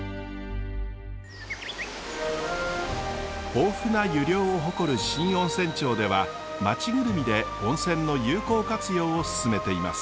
豊富な湯量を誇る新温泉町では町ぐるみで温泉の有効活用をすすめています。